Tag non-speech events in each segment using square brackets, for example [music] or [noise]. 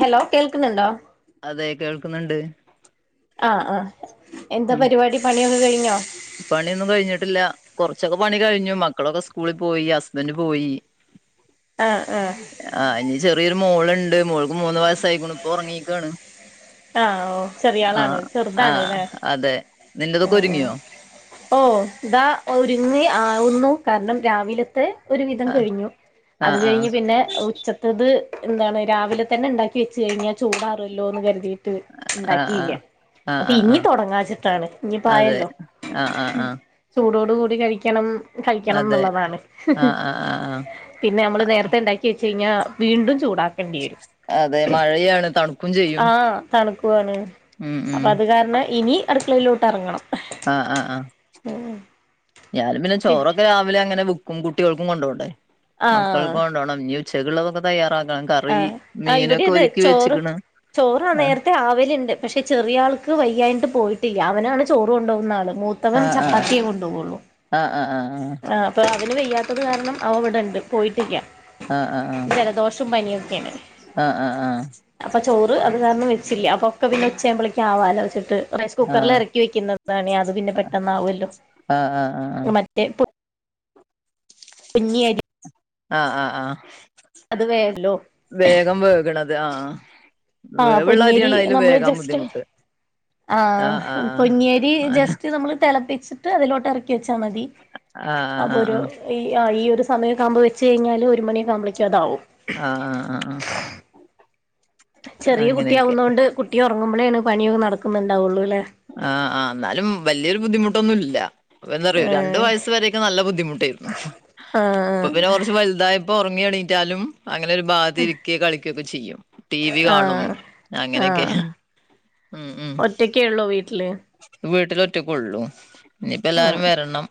Hello കേൾക്കുന്നുണ്ടോ അതെ കേൾക്കുന്ന്ണ്ട് ആഹ് ആഹ് എന്താ ഉം പരിപാടി പണിയൊക്കെ കഴിഞ്ഞോ പണിയൊന്നും കഴിഞ്ഞിട്ടില്ല കുറച്ചൊക്കെ പണി കഴിഞ്ഞു മക്കളൊക്കെ സ്കൂളിൽ പോയി ഹസ്ബന്റ് പോയി ആഹ് ആഹ് ആ ഇനി ചെറിയൊരു മോളുണ്ട് മോൾക്ക് മൂന്ന് വയസായിക്കണ് ഇപ്പൊ ഉറങ്ങീക്കണ്. ആഹ ഓ ചെറിയളാണ് ആ ചെറുതാണ് അല്ലെ അതെ ഓ നിന്റതൊക്കെ ഒരുങ്ങിയോ ഓ ഓ ഇതാ ഒരുങ്ങി ആവുന്നു കാരണം രാവിലത്തെ ഒരു വിധം ആ കഴിഞ്ഞു ആ അത് ആ കഴിഞ്ഞ് പിന്നെ ഉ ച്ചത്തത് എന്താണ് രാവിലെ തന്നെ ഇണ്ടാക്കി വെച്ച കഴിഞ്ഞാ ചൂടാറോല്ലോ ന്ന് കര്തിയിട്ട് ആ ആ ഇണ്ടാക്കിയില്ല ആ അപ്പൊ ആ ആ ഇനി തുൊടങ്ങാച്ചിട്ടാണ് അതെ ഇനീപ്പയല്ലോ ആ ആ ആ ചൂടോട് കൂടി കഴിക്കണം. കഴിക്കണം അതെ ന്നുള്ളതാണ് ഹ് ആ ഹ് ആ ആ ആ പിന്നെ അമ്മള് നേരത്തെ ഇണ്ടാ ച്ചയ്ഞ്ഞാ വീണ്ടും ചുടാക്കേണ്ടിവരും അതെ മഴയാണ് തണുക്കും ചെയ്യും ആഹ തണുക്കുവാണ് ഉം അപ്പ ഉം അത് കാരണം ഇനി അടുക്കളയിലോട്ടറങ്ങണം ആഹ് ആഹ് ആഹ ഞാനും പിന്നെ ചോറൊക്കെ ങ്ങനെവക്കും കുട്ടികൾക്കും കൊണ്ടൊണ്ടെ ആഹ് മക്കൾക്കോണ്ടോണം ഇനി ഉച്ചക്കോളതൊക്ക തയ്യാറാക്കണം കറി ആഹ ആ ഇവിടെ മീനൊക്കെ അതേ ഒരുക്കി ചോറ് വെച്ച്ക്ക്ണ് ചോറാ ആഹ് നേര ഒക്കെആവല്ണ്ട് പക്ഷേ ചെറിയ ആൾക്ക് വയ്യായിട്ട്പോയിട്ടില്ല അവനാണ് ചോറ് കൊണ്ടൊവുന്നാള്. മൂത്തവൻ ആഹ് ചപ്പാത്തിയെ കൊണ്ടൊവോള്ളു. ആഹ് ആഹ് ആഹ് ആഹ് അപ്പൊ അവന് വെയ്യാത്തത് കാരണം അവ ൻ ഇവിടെണ്ട് പോയിട്ടില്ല. ആഹ് ആഹ് ജലദോഷും പനിയൊക്കെണ്. ആഹ് ആഹ് ആഹ് ആഹ് ആഹ് അപ്പൊ ചോറ് അത് കാരണം വെച്ചില്ല അപ്പൊ ഒക്കെ പിന്നെ ഉച്ചാവുമ്പോളേക്ക് ആവാലോ വച്ചിട്ട്. റൈസ് കുക്കറിൽ എറക്കി വെക്കുന്നതാണെ അത് പിന്നെ പെട്ടന്ന് ആവുമല്ലോ ആഹ് മറ്റേ പുട്ട് കുഞ്ഞിയരി. ആഹ് ആഹ് ആ അത് വേ [unintelligible] ല്ലോ? വേഗം വേക്ണത് ആഹ് ആഹ് വേവുള്ള പൊന്നിയരി അരിയാണേലും നമ്മള് വേകാൻ ജസ്റ്റ്. ബുദ്ധിമുട്ട് ആഹ് പൊന്നിയരി ആഹ് ജസ്റ്റ് നമ്മൾ തിളപ്പിച്ച അതിലോട്ട് ഇറക്കി വെച്ചാ മതി ആഹ് ആഹ് അപ്പൊ ഒരു ആഹ് ഈ ആ ഈ ഒരു സമയം ആകുമ്പോ വെച്ച് കഴിഞ്ഞാല് ഒരു മണിയകക്കാമ്പോഴേക്കും അതാവും. ആഹ് ആഹ് ആഹ് ചെറിയ കുട്ടിയ അങ്ങനെയൊക്കെ ആവുന്നോണ്ട് കുട്ടി ഒറങ്ങുമ്പോളോണ് പണിയൊക്കെ നടക്കുന്നുണ്ടാവുള്ളു അല്ലേ? ആഹ് ആഹ് ന്നാലും വലിയൊരു ബുദ്ധിമുട്ടൊന്നുല്ല. അപ്പൊ എന്താറിയോ രണ്ടു ഏഹ് വയസ് വരെയൊക്കെ നല്ല ബുദ്ധിമുട്ടായിരുന്നു ഇപ്പ ആഹ് പിന്നെ കുറച്ച് വലുതായപ്പോ. ഒറങ്ങി എണീട്ടാലും. അങ്ങനെ ഒരു ബാഗത്ത് ഇരിക്കെ കളി ഒകെയൊക്കെ ചെയ്യും ടി വി കാണും. ആഹ് അങ്ങനെയൊക്കെ. ഉം ഉം കേളോ വീട്ടില്. വീട്ടില ഒറ്റ കൊള്ളു ആഹ് ഇനിയിപ്പല്ലാരും വരണം.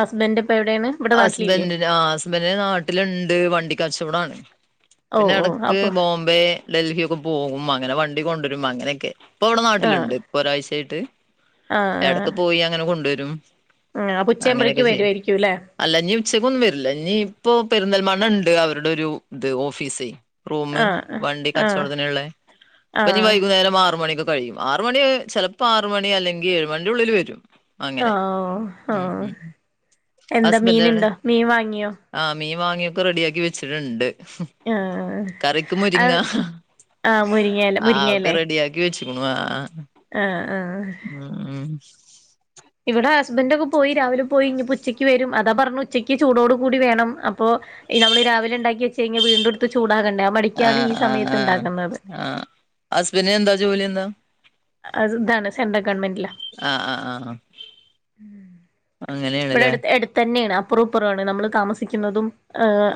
ഹസ്ബൻഡ് ഇപ്പ എവിടെയാണ്. ഇവിടെ നാട്ടിലില്ലേ ഹസ്ബൻഡ ആഹ് ഹസ്ബൻഡന്റെ നാട്ടിലുണ്ട് വണ്ടിക്കച്ചവടാണ്. ഓഹ് പിന്നെ ഓഹ് എടക്ക് അപ്പൊ ബോംബെ ഡൽഹി ഒക്കെ പോകും അങ്ങനെ വണ്ടി കൊണ്ടുവരുമ്പോ അങ്ങനെയൊക്കെ. ഇപ്പൊ ഇവ്ടെ ആഹ് നാട്ടിലുണ്ട്. ഇപ്പൊ ഒരാഴ്ചായിട്ട് എടക്ക് പോയി അങ്ങനെ കൊണ്ട് വരും. ആ ആ ഉച്ചേവുമ്പഴക്ക് വരുവായിരിക്കും അല്ലേ? അല്ല ഇഞ് ഉച്ചക്കൊന്നും വെരില്ല. ന്ഞ് ഇപ്പൊ പെരുന്തൽമണ്ണണ്ട് അവരുടെ ഒരു ഇത് ഓഫീസ്. റൂം ആഹ് വണ്ടി ആഹ് കച്ചവടത്തിന്ള്ള ഇപ്പൊ ഇനി ആഹ് വൈകുന്നേരം ആറ മണിക്കൊ കഴിയും ആറ മണി ചിലപ്പോ ആറ മണി അല്ലെങ്കിൽ ഏഴു മണിന്റുള്ളിൽ വരും. അങ്ങനെ ആഹ് ഉം ആഹ് ഉം. എന്താ മീൻ ഇണ്ടോ മീൻ വാങ്ങിയോ? ആഹ് മീൻ വാങ്ങിയൊക്കെ റെഡി ആക്കി വെച്ചിട്ടുണ്ട്. ആഹ് കറിക്ക് മുരിങ്ങ അത് ആഹ് മുരിങ്ങേല ആ അതൊക്കെ മുരിങ്ങേലെ റെഡിയാക്കി. ക്കി വെച്ചിക്കണുവ. ആഹ് ആഹ് ഉം ഉം ഇവിടെ ഹസ്ബൻറ് ഒക്കെ പോയി രാവിലെ പോയി ഇനി ഇപ്പൊ ഉച്ചയ്ക്ക് വരും. അതാ പറഞ്ഞ ഉച്ചക്ക് ചൂടോട് കൂടി വേണം അപ്പോ നമ്മള് രാവിലെ ഉണ്ടാക്കി വച്ച്ച് കഴിഞ്ഞൽ വീണ്ടും എടുത്ത് ചൂടാകണ്ടേ? ആ മടിക്കാണ് ഈ ആ സമയത്ത് ആ ഇണ്ടാക്ന്നത്. ആ ഹസ്ബൻഡിന് എന്താ ജോലി എന്താ? ആഹ് ഇതാണ് സെൻട്രൽ ഗവൺമെന്റില. ആഹ് ആഹ് ആഹ് അങ്ങനെയണ്ല്ലേ. തന്നെയാണ് അപ്പുറം അപ്പുറമാണ് നമ്മൾ താമസിക്കുന്നതുംഹ്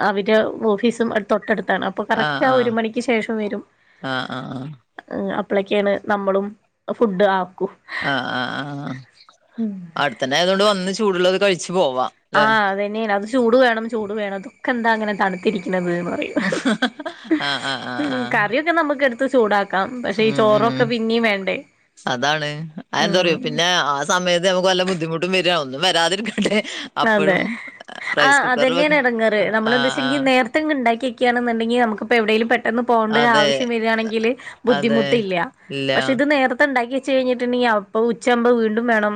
അവര് ഓഫീസും തൊട്ടടുത്താണ്. അപ്പൊ കറക്റ്റ് ആ ഒരു മണിക്ക് ശേഷം വരും. ആ ആ ആ അപ്പളൊക്കെയാണ് നമ്മളും ഫുഡ് ആക്കൂ. ആഹ് ആഹ് ആഹ് അടുത്തന്നെ ആയതുകൊണ്ട് വന്ന് ചൂടുള്ളത് കഴിച്ചു പോവാം. ല്ലേ? ആഹ് അതന്നെയാ അത് ചൂട് വേണം ചൂട് വേണം. ക്ക് ന്താ അങ്ങനെ തണുത്തിരിക്ക്ണ്ടത് പറയും ആ ആ ആ ആ കറി ക്കെ നമുക്ക് എടുത്ത് ചൂടാക്കാം പക്ഷെ ഈ ഉം ഉം ചോറൊക്കെ പിന്നെയും വേണ്ടേ. അതാണ് അതെന്താ ഉം പറയോ പിന്നെ ആ സമയത്ത് നമക്ക് വല്ല ബുദ്ധിമുട്ടും വര ഒന്നും വരാതിരിക്കട്ടെ. അതെ അപ്പഴും ഹ് ആ റൈസ് കുക്കറിൽ വെക്ക അതന്നേണ് എട്ങ്ങാറ് ആ ആ ആ നമ്മളെന്താച്ചെങ്കി നേര് ഇതെങ്ങ് ഇണ്ടാക്ക്യക്കാണെന്നുണ്ടെങ്കി നമുകിപ്പോ എവിടേലും പ പെട്ടെന്ന് പോണ്ട അതെ ഒരാവ്ശ്യം വരാണെങ്കിൽ അതെ ബുദ്ധിമുട്ടില്ല ഇല്ല പക്ഷെ ഇത് നേര മൊത്തം ഇണ്ടാക്കി വെച്ച് കഴിഞ്ഞിട്ട്ണ്ടെങ്കി അപ്പോ ഉച്ചയാവുമ്പോ വീണ്ടും വേണം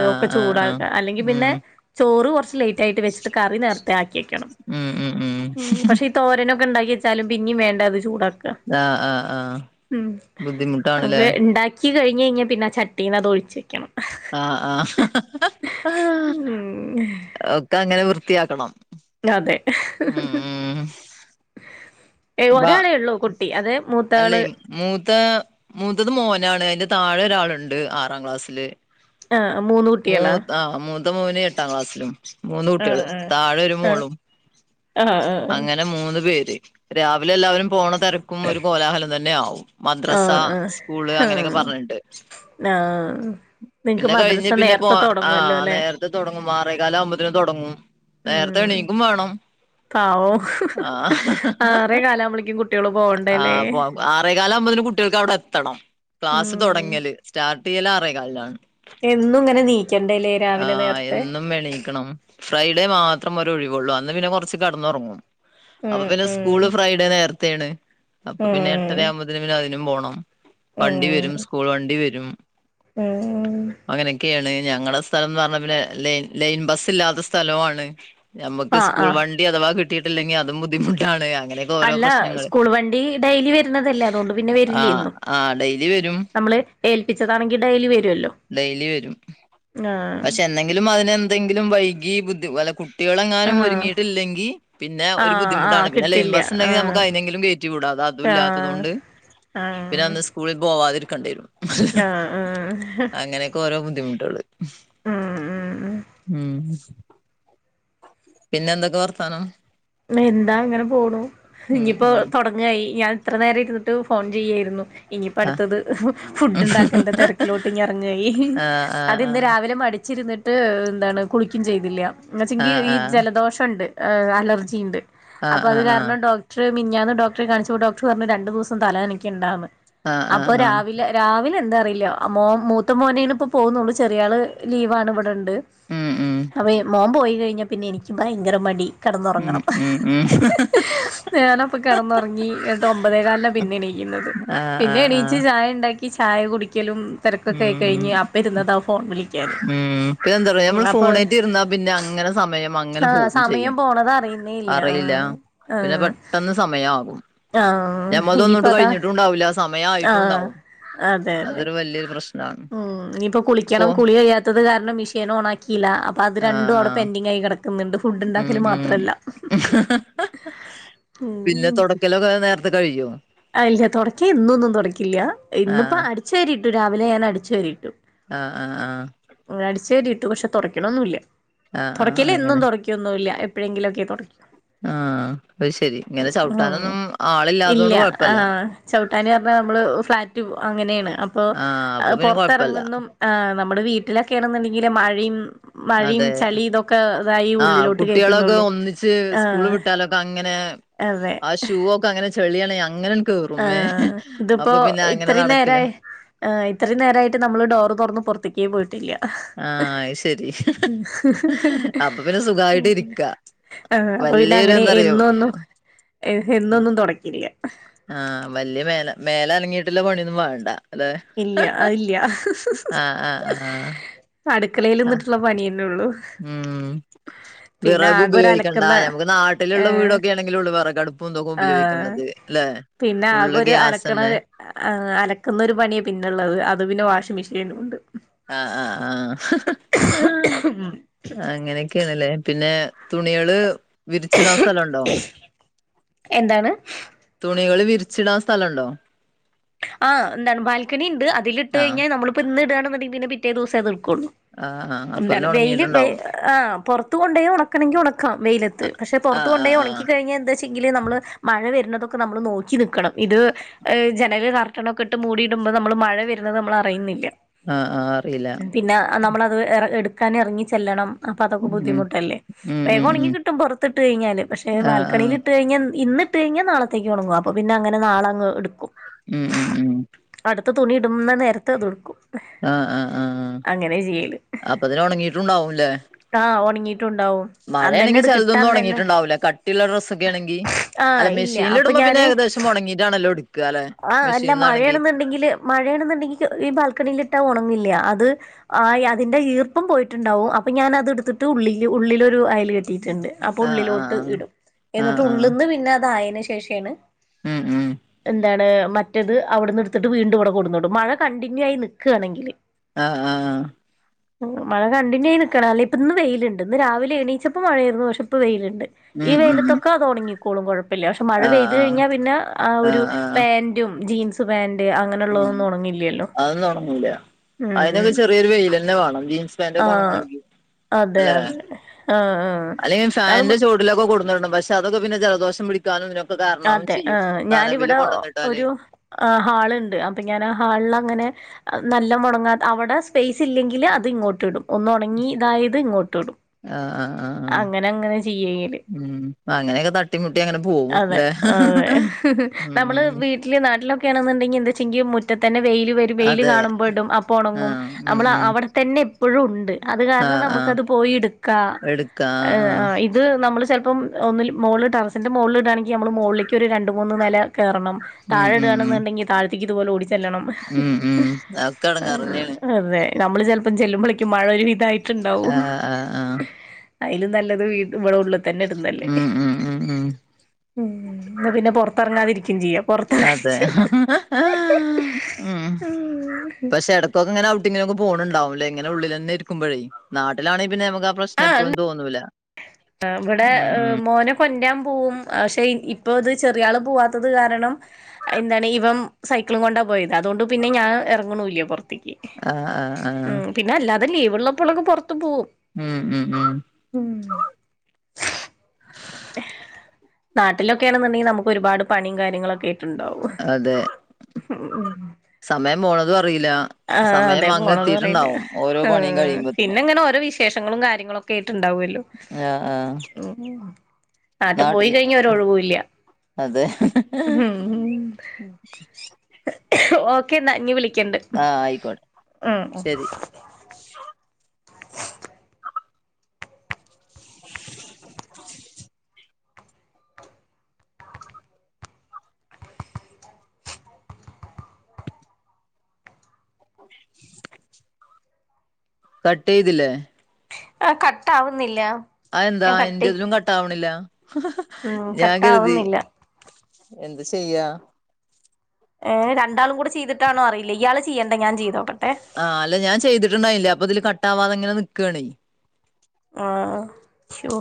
ആ ഹ് ഒക്കെ ആ ആ ചൂടാക്ക്‌അ അല്ലെങ്കി ഉം പിന്നെ. ചോറ് കൊർച്ച് ലേറ്റായിട്ട് വെച്ചിട്ട് കറി നേർ താക്കി വെക്കണം ഉം ഉം ഉം പക്ഷെ ഈ തോരനൊക്കെ ഇണ്ടാക്കി വെച്ചാലും പിന്നിം വേണ്ടെ അത് ചൂടാ അഹ് ആ ആ ആ ഹ്മ് ബുദ്ധിമുട്ടാണ്ല്ലേ അപ്പെ ഇണ്ടാ ഇക്ക്‌ കൈഞ്ഞഴിഞ്ഞാ പിന്നെ ചട്ടീന്നതൊഴിച്ച് വെക്കണം. ആ ആഹ്. ഉം ഹ്. ഒക്കെ അങ്ങനെ വൃത്തിയാക്കണം. അതെ. ഉം ഉം ഏ ഒരാളെ ഉള്ളൂ കുട്ടി അതേ മൂത്താള്. മൂത്തെ മൂത്തത് മോനാണ് അയ്ന്റെ താഴെ ഒരാള്ണ്ട് ആറാം ക്ലാസ്സില്. ആഹ് മൂന്ന് കുട്ടികളാ മൂത് ആ മൂത്ത മോന് എട്ടാം ക്ലാസ്സിലും. മൂന്ന് കുട്ടിയള് ആഹ് താഴെ ഒരു ആഹ് മോളും ആഹ് ആഹ് അങ്ങനെ മൂന്ന് പേര്. രാവിലെ എല്ലാവരും പോണ തെരക്കും ഒരു കോലാഹലം തന്നെ ആവും. മദ്രസ ആഹ് ആഹ് സ്കൂള് ആഹ് അങ്ങനൊക്കെ ആഹ് പറഞ്ഞ്ട്ട്. ആഹ് നിങ്ങക്ക് പിന്നെ കഴിഞ്ഞ് മദ്രസ പിന്നെ പോ നേരത്തെ തൊടങ്ങുവല്ലോ ആഹ് അല്ലേ നേരത്തെ തൊടങ്ങും ആറേക്കാലവുമ്പോത്ത്ന് തൊടങ്ങും. നേർത്തെ ഉം എണീക്കും വേണം ആഹ്. റേകാലാവുമ്പോളേക്കും കുട്ട്യാള് പോവണ്ടല്ലേ. ആറേകാലാവുമ്പോതിന് കുട്ട്യാൾക്ക് അവിടെത്തണം ക്ലാസ് ഉം തൊടങ്ങല് സ്റ്റാട്ടയ്യല് ആറേ കാലിനാണ്. എന്നും ഇങ്ങനെ നീക്കേണ്ട ലേ. ആഹ് എന്നും എണീക്കണം ഫ്രൈഡേ മാത്രം ഒരൊഴിവുള്ളൂ അന്ന് പിന്നെ കൊറച്ച് കെട്ന്നൊർങ്ങും. അപ്പൊ ഉം പിന്നെ ഉം സ്കൂള് ഫ്രൈഡേ നേരത്തേണ്. അപ്പൊ പിന്നെ എട്ടര ഉം ആവുമ്പോത്തിന് പിന്നെ അയിനും പോണം വണ്ടി വരും ഉം സ്കൂൾ വണ്ടി വരും. ഉം ഹ്. അങ്ങനെക്കെയാണ് ഞങ്ങളെ സ്ഥലന്ന് പറഞ്ഞാ പിന്നെ ലൈൻ ലൈൻ ബസില്ലാത്ത സ്ഥലവും ആണ്. ഞമ്മക്ക് ആഹ് സ്കൂൾ ആഹ് വണ്ടി അഥവാ കിട്ടിട്ടില്ലെങ്കി അതും ബുദ്ധിമുട്ടാണ് അങ്ങനെ. അല്ല സ്കൂൾ വണ്ടി ഡെയ്ലി വരുന്നതല്ലേ അതോണ്ട് പിന്നെ വരില്ല്യേ ആഹ് എന്നും ആഹ് ഡെയ്ലി വരും നമ്മള്. ഏൽപ്പിച്ചതാണെങ്കി ഡെയ്ലി വരൊല്ലൊ. ഡെയ്ലി വരും. മ്ന ആഹ്. എന്തെങ്കിലും അതിനെന്തെങ്കിലും വൈകി ബുദ്ധി അല്ല കു കുട്ട്യാളെങ്ങാനും ആഹ് ഒരുങ്ങിയിട്ടില്ലെങ്കി പിന്നെ ഒരു ആഹ് ബുദ്ധിമുട്ടാണ് ആഹ് പിന്നെ ലൈൻ കിട്ടില്ല ബസ്ണ്ടെങ്കി നമുക്ക് ആഹ് അയ്നെങ്കിലും കേ റ്റിവിട ഇത് ആഹ് അതുല്ലാത്തതോണ്ട്. ആഹ്. സ്കൂളിൽ പോവാതിരിക്കണ്ട്യരും ആഹ് ആഹ് അങ്ങനൊക്കെ ഓരോ ബുദ്ധിമുട്ടൊള്. ഉം ഉം ഉം ഉം. പിന്നെ എന്തൊക്കെ വർത്താനം? എന്താ ഇങ്ങനെ പോണു ഉം ഇഞ്പ്പോ ഉം തൊട്. ങ്ങയി ഞാൻ ഇത്ര നേരം ഇര്ന്ന്ട്ട് ഫോൺ ചെയ്യേര്ന്നു. ഇനിയിപ്പ ആ അടുത്തത് ഫുഡ് ഇണ്ടാക്കൽണ്ടെ തെരക്കിലോട്ട് ഇഞ് എറങ്ങായി. ആ അത് ഇന്ന് രാവിലെ മടിച്ചിര്ന്ന്. ന്നട്ട് എന്താണ് കുളിക്കും ചെയ്തില്ല ആ ആ ഇന്നാച്ചെങ്കി ഈ ആ ജലദോഷംണ്ട് ഹ് അലർജിണ്ട്. ആ അപ്പൊ ആ അത് കാരണം ഡോക്ടർ മിഞ്ഞാന്ന് ഡോക്ടറെ കാണിച്ചപോ ഡോക്ടർ പറഞ്ഞു രണ്ടു ദിവസം തല നനക്ക്യണ്ടാന്ന്. ആ ആ ആ അപ്പൊ ആ രാവിലെ. രാവിലെ എന്താ അറില്ല മോ മൂത്ത മോനേന് ഇപ്പോ പോവുന്നുള്ളൂ ചെറിയാള് ലീവാണ് ഇവിടെണ്ട്. ഉം ഉം അപ്പയെ മോൻ പോയി കഴിഞ്ഞാ പിന്നെ എനിക്ക്‌ ബൈങ്കര മടി കെടന്നൊറങ്ങണം. ഉം ഉം. ഞാനപ്പോ കെടന്നൊറങ്ങി എന്നിട്ട് ഒമ്പതേ കാൽന പിന്നെ എണീക്ക്ന്നത്. ആ ആ പിന്നെ ആ എണീച്ച് ചായ ഇണ്ടാക്കി ചായ കുടിക്കലും ഉം തെരക്കൊക്കെ കഴിഞ്ഞ് അപ്പം ഉം ഇരുന്നത ഫോൺ വിളിക്കാന്. ഉം അപ്പോ ഇര്ന്ന പിന്നെ അങ്ങനെ സമയം അങ്ങനെ പോകും ചെയ്യും. സമയം പോണത് അറിയുന്നേ ഇല്ല അറിയില്ല ആഹ് പിന്നെ ആഹ് പെട്ടന്ന് സമയം ആകും. ആഹ് ഇനിയിപ്പ ഞമ്മൾതൊന്നുംട്ടു അതാ കഴിഞ്ഞിട്ടുംണ്ടാവൂല സമയം ആഹ് ആയിട്ടുംണ്ടാവും. അതെ അതെ അതൊരു വല്ല്യ ഒരു പ്രശ് ഉം ഇനിയിപ്പോ കുളിക്കണം. കുളി കഴിയാത്തത് കാരണം മിഷീൻ ഓൺ ആക്കിയില്ല. അപ്പോ അത് ആഹ് രണ്ടും അവിടെ ആഹ് പെൻഡിങ് ആയി കെട ക്കം ന്ന്ണ്ട് ഉം ഫുഡ്ണ്ടാക്കല് ഉം മാത്രല്ല ഉം. ക്കലൊക്കെ നേർത്തെ കഴിയും. ആഹ് ഇല്ല്യ തൊട്ക്ക്യെ എന്നു ഒന്നും തൊടക്കില്ല്യ ഇന്ന്പ്പ ആഹ് അട്ച്ചേരിട്ടു രാവിലെ ഞാൻ അട്ച്ചേരിയിട്ടു. ആഹ് ആഹ് ആഹ്. ഉം അട്ച്ചേരിട്ടു പക്ഷെ തൊട്ക്ക്യണൊന്നുല്ല ആഹ് ആഹ് തൊടക്ക്യല് എന്നും അങ്ങനെ തൊട ക്ക്യൊന്നുല്ല്യ എപ്പഴെങ്കിലൊക്കെ തൊട് ആഹ് അത് ശരി ഇങ്ങനെ ചവിട്ടാനൊന്നും ആളില്ലാതോണ്ട് കൊഴപ്പല്ല. ആഹ് ചവിട്ടാന് അർഞ്ഞ മ്മള് ഫ്ളാറ്റ് അങ്ങനെണ് അപ്പോ ആഹ് അപ്പൊ അ പിന്നെ കൊഴപ്പല്ല പൊർത്തെർങ്ങ്ന്നും. ആഹ് നമ്മടെ വീട്ടിലൊക്കെണ്ന്ന്ണ്ടെങ്കില് മഴിം മഴിം അതെ ചളി തൊ ക്കെ തായി ആഹ് ഉള്ളിലോട്ട് കുട്ടികളൊക്കെ കേറ്റുന്നൊള്ളൂ ഒന്നിച്ച് സ്കൂള് ആഹ്. വിട്ടാലൊക്കെ അതെ പ്പ അങ്ങനെ ചളിയാണേ അങ്ങനൺ കേറും ഏ ആഹ് ഇതിപ്പോ അപ്പൊ പിന്നെ അങ്ങനെ ഇത്രയും നടക്കല. നേരായി ആഹ് ഇത്രേം നേരായിട്ട് നമ്മള് ഡോറ് തൊർന്ന് പൊരത്ത്ക്കേ പോയിട്ടില്ല. ആഹ് അത് ശരി അപ്പൊ പിന്നെ സുഖായിട്ട് ഉം ഇരിക്കാ ഏഹ് അപ്പ പിന്നെ വല്യൊരു അങ്ങനെ എന്താറിയോ എന്നും ഒന്നും എ എന്നും ഒന്നും തൊടക്കില്ല. ആഹ് വല്ല്യ മേല മേലനങ്ങീട്ട്ള്ള പണിയൊന്നും വണ്ട. ഇല്ല്യ അഇല്ല്യ. ആഹ് ആഹ് ആഹ് അട്ക്കളേല് ആഹ് ന്നിട്ട്ള്ള പണിയെന്നെള്ളൂ. ഉം വിറക് ഒരു ഉപയോഗിക്കണ്ട. അലക്കുന്ന ഞമ്മക്ക് നാട്ടിലുള്ള ഏഹ് വീടൊക്കെ ആണെങ്കിലുള്ളൂ വിറകടു പ്പും ഇതൊക്കെ ഉപയോഗിക്കാൻ ഇള്ളത് ല്ലേ? പിന്നാകൊരു അലക്ക്ണത്. ആഹ് അലക്ക്ന്ന ഒരു പണിയ പിന്നള്ളത് അത് പിന്നെ വാഷിംഗ് മെഷീനുംണ്ട്. ആഹ് ആഹ് ആഹ്. അങ്ങനെക്കെണ്ലെ പിന്നെ തുണ്യള് വിരിച്ചിടാൻ സ്ഥലണ്ടോ? എന്താണ് തുണികള് വിരിച്ചിടാൻ സ്ഥലണ്ടോ? ആഹ് ന്താണ് ബാൽക്കണിണ്ട്. അതിലിട്ട് ആഹ് കഴിഞ്ഞ നമ്മള്പ്പ ഇന്ന് ഇടാണ്ന്ന്ണ്ടെങ്കി പിന്നെ പിറ്റേ ദിവസേ അത് ഇട്കൊള്ളൂ. ആഹ് ആഹ്. എന്താണ് അപ്പത്തിന് വെയില് വെ ഒണങ്ങിയിട്ടുണ്ടാവും ആഹ് പൊർത്ത് കൊണ്ടോയി ഒണക്കണെങ്കി ഒണക്കാം വെയിലത്ത് പക്ഷെ പൊർ ത്ത് ആഹ് കൊണ്ടോയ് ആഹ് ഒണക്കി ആഹ് കഴിഞ്ഞ എന്താച്ച് ങ്കില് നമ്മള് മഴ വര്ണതൊക്കെ നമ്മള് നോക്കി നിക്കണം. ഇത് ങ് ജനല് കർ ട്ടണൊക്കെട്ട് മൂടിടുമ്പ നമ്മള് മഴ വരുന്നത് നമ്മള് അറിയ്ന്നില്ല. ആഹ് ആഹ് അറില. പിന്ന നമ്മളത് എറ എടുക്കാൻ എർങ്ങി ചെല്ലണം. അപ്പതൊക്കെ ഉം ബുദ്ധിമുട്ടല്ലേ ഉം വേഗം ഉം ഒണ്ങ്ങി ഉം കിട്ടും പൊറത്തിട്ട് കഴിഞ്ഞാല് പക്ഷെ ആഹ് ആഹ് ബാൽക്കണില് ട്ട് കഴിഞ്ഞ ഇന്ന്ട്ട് കഴിഞ്ഞ നാളത്തേക്ക് ഒണങ്ങും അപ്പോ പിന്നെ അങ്ങനെ നാളങ്ങ് എട്ക്കും. ഉം ഉം ഉം. അടുത്ത തുണി ഇടുന്ന നേരത്ത് അത്ട്ക്കും. ആഹ് ആഹ് ആഹ് അപ്പത്തിനും ഒണങ്ങീട്ടുണ്ടാവും ല്ലേ? ആഹ് ഒണ്ങ്ങീട്ടുംണ്ടാവും. മഴല്ലെങ്കി ചെൽതൊന്നു ഒണങ്ങീട്ട്ണ്ടാവൂല കട്ടിള്ള ഡ്രസ്സൊക്കേണങ്കി. ആഹ് അല്ല ഇല്ല മെഷീൻല് അപ്പൊ ഇടുമ്പോ പിന്നെ ഞാന് ഏകദേശം ഒണങ്ങീട്ടാണല്ലോ ഇട്ക്ക ആഹ് അല്ല മഴയാണ്ന്ന്ണ്ടിങ്കില് മഴയാണ്ന്ന്ണ്ടെങ്കിൽ ഈ ബാൽക്കണിലിട്ട ഒണങ്ങില്ല്യ. അത് ആ അതിന്റെ ഈർപ്പം പോയിട്ടുണ്ടാവും അപ്പൊ ഞാനത് എടുത്തിട്ട് ഉള്ളിൽ ഉള്ളിലൊരു അയൽ കെട്ടിയിട്ടുണ്ട് അപ്പൊ ആഹ് ഉള്ളിലോട്ട് ആഹ് ഇടും ആഹ് എന്നിട്ട് ആഹ് ആഹ് ഉള്ളിന്ന് പിന്നെ അതായതിന് ശേഷമാണ് ഉം ഉം എന്താണ് മറ്റേത് അവിടുന്ന് എടുത്തിട്ട് വീണ്ടും ഇവിടെ കൊടുന്നിടും മഴ കണ്ടിന്യൂ ആയി നിൽക്കുകയാണെങ്കിൽ ആഹ് ആഹ് ആഹ് മഴ കണ്ടിന്യൂ ആയി നിൽക്കണം അല്ലേ ഇപ്പ ഇന്ന് വെയിലുണ്ട് ഇന്ന് രാവിലെ എണീച്ചപ്പോ മഴായിരുന്നു പക്ഷെപ്പോ വെയിലുണ്ട്. ഈ ഉം ഉം വെയിലത്തൊക്കെ അത് ഉണങ്ങിക്കോളും കുഴപ്പമില്ല പക്ഷെ മഴ ആഹ് പെയ്ത് ആഹ് കഴിഞ്ഞാൽ പിന്നെ ആ ഒരു ആഹ് ആഹ് പാൻ്റും ജീൻസ് പാൻ്റ് ഉം അങ്ങനെള്ളതൊന്നും ഉണങ്ങില്ലല്ലോ ഉം ഉം എന്തൊരു വെയിലാ യിലന്നെ വാണം ജീൻസ് പാൻ്റ് ഒക്കെ ഉണങ്ങണമെങ്കിൽ അതെ അല്ലേ അതെ ആ അല്ലെങ്കിൽ ആ നമ്മള് ഫാനിന്റെ മ ചു എതേലൊക്കെ കൊടുന്നിടണം പക്ഷെ അതൊക്കെ പിന്നെ ജലദോഷം പിടിക്കാനും ഇതിനൊക്കെ കാരണവും അതെ ആ ചെയ്യും നനവിൽ ഞാനിവിടെ കൊണ്ടുവന്നിട്ടാല് ഒരു ആ ഹാളുണ്ട് അപ്പൊ ഞാൻ ആ ഹാളിൽ അങ്ങനെ നല്ല മുണങ്ങാ അവിടെ സ്പേസ് ഇല്ലെങ്കില് അത് ഇങ്ങോട്ട് ഇടും ഒന്നുണങ്ങി ഇതായത് ഇങ്ങോട്ട് ഇടും. ആഹ് ആഹ് ആഹ് ആഹ് അങ്ങനെ അങ്ങനെ ചെയ്യല് ഉം അങ്ങനെയൊക്കെ തട്ടിമുട്ടി അങ്ങനെ പോവുംല്ലെ അ ഹെ [unintelligible] നമ്മള് വീട്ടില് നാട്ടിലൊക്കെ ആണെന്നുണ്ടെങ്കിൽ എന്താചിങ്കിൽ മുറ്റ തന്നെ വെയിൽ വരും വെയിൽ അതെ കാണുമ്പോഴിടും അപ്പം ഉണങ്ങും ആഹ് ഉം ഉം തന്നെ എപ്പോഴും ഉണ്ട് അത് കാരണം ആഹ് ആഹ് നമുക്കത് പോയി എടുക്കാം എടുക്കാ ഹെ ആഹ് അ ആഹ് ഇ ഇത് നമ്മൾ ചിലപ്പം ഒന്നിൽ മുകള് ടെറസിൻ്റ മുകളിൽ ഇടുകയാണെങ്കിൽ നമ്മൾ മുകളിലേക്ക് ഒരു രണ്ട് മൂന്ന് നില കയറണം ഉം താഴെ ഉം ഉം ഇടുകയാണെങ്കിൽ താഴ ക്ക് ഇതുപോലെ ഓടിച്ചെല്ലണം ഉം [unintelligible] ഉം അതൊക്കെ എടങ്ങേറന്നെയാണ് അതെ നമ്മള് ചിലപ്പോം ചെല്ലുമ്പോളേക്കും മഴ ഒരു വിധായിട്ടുണ്ടാവും. ആഹ് ആഹ് ആഹ് അയിലും നല്ലത് വീണ്ടും ഇവിടെ ഉള്ള് ഉം ഉം ഉം ഉം ഉം ഇന്നാ പിന്നെ പുറത്തിറങ്ങാതിരിക്കും ചെയ്യാം. അതെ [unintelligible] ഉം പക്ഷേ ഇടക്കൊക്കെ ഇങ്ങനെ ഔട്ടിങ്ങിന് ഒക്കെ പോന്നുണ്ടാവും ല്ലേ ഇങ്ങനെ ഉളളിൽ തന്നെ ഇരിക്കുമ്പോഴേ നാട്ടിൽ ആണെങ്കിൽ പിന്നെ ആ പ്രശ് നം എപ്പോളും തോന്നൂല ആഹ് ഇവിടെ ഉം ഉം മോന് കൊണ്ടരാൻ പോവും. പക്ഷെ ഇപ്പൊ അത് ചെറിയാള് പോവാത്തത് കാരണം. അത് എന്താണ് ഇവം സൈക്കിളും കൊണ്ടാ പോയത്. അതുകൊണ്ട് പിന്നെ ഞാൻ ഇറങ്ങുന്നില്ല പുറത്തേക്ക് ആഹ് ആഹ് ആഹ് ഉം പിന്നെ അല്ലാതെ ലീവ് ഉള്ളപ്പോളൊക്കെ പുറത്തു പോവും ഉം ഉം ഉം ഉം നാട്ടിലൊക്കെയാണെന്നുണ്ടെങ്കിൽ നമുക്ക് ഒരുപാട് പണിയും കാര്യങ്ങളൊക്കെ ട്ടുണ്ടാവും അതെ [unintelligible] സമയം പോണതും അറിയില്ല ആ സമയം അതെ അങ്ങ് പോണത് അറിയില്ല. എത്തിയിട്ടുണ്ടാവും ഓരോ പണിയും ആഹ് കഴിയുമ്പോത്തിന് പിന്നെ ഇങ്ങനെ ഓരോ വിശേഷങ്ങളും കാര്യങ്ങളും ഒക്കെ ആയിട്ടുണ്ടാവുമല്ലോ. ആഹ് ആഹ് [unintelligible] നാട്ടിൽ പോയി നാട്ടില് കഴിഞ്ഞാൽ ഒരു ഒഴിവുമില്ല. അതെ ഓക്കെ എന്നാ ഇനി വിളിക്കണ്ട് ആഹ് ആയിക്കോട്ടെ ഉം ഉം ശരി. [inaudible] കട്ട് ചെയ്തില്ലേ ആഹ് കട്ട് ആവുന്നില്ല അത് എന്താ എന്റെതിലും കട്ടാവണില്ല ഉം ഞാൻ കരുതി. കട്ടാവുന്നില്ല എന്ത് ചെയ്യാ? ഏ രണ്ടാളും കൂടെ ചെയ്തിട്ടാണോ അറിയില്ല. ഇയാള് ചെയ്യണ്ട ഞാൻ ചെയ്തോക്കട്ടെ ആ അല്ല ഞാൻ ചെയ്തിട്ട്ണ്ടായില്ല അപ്പൊ ഇതില് കട്ടാവാതെങ്ങനെ നി ക്കാണേ. ആഹ് ശോ.